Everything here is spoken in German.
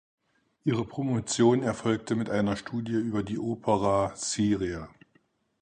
Ihre Promotion erfolgte mit einer Studie über die Opera seria.